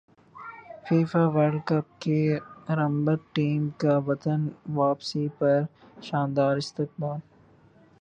FIFA World cup کی runner up team کا وطن واپسی پر شاندار استقبال